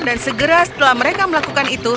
dan segera setelah mereka melakukan itu